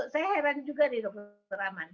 saya heran juga di raman